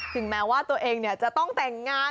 ถึงแม้ว่าตัวเองจะต้องแต่งงาน